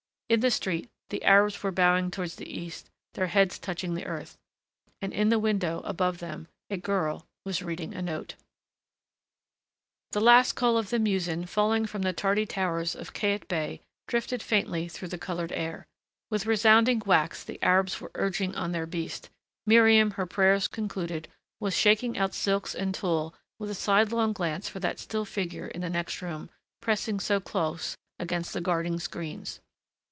In the street the Arabs were bowing towards the east, their heads touching the earth. And in the window above them a girl was reading a note. The last call of the muezzin, falling from the tardy towers of Kait Bey drifted faintly through the colored air. With resounding whacks the Arabs were urging on their beast; Miriam, her prayers concluded, was shaking out silks and tulle with a sidelong glance for that still figure in the next room, pressing so close against the guarding screens.